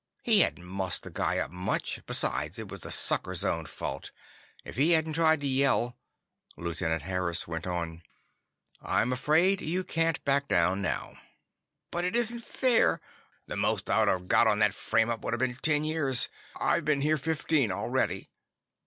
He hadn't mussed the guy up much; besides, it was the sucker's own fault. If he hadn't tried to yell— Lieutenant Harris went on: "I'm afraid you can't back down now." "But it isn't fair! The most I'd have got on that frame up would've been ten years. I've been here fifteen already!"